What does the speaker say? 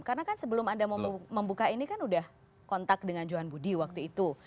karena kan sebelum anda membuka ini kan sudah kontak dengan johan budi waktu itu